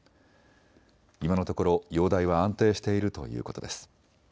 今のところ容体は安定しているということです。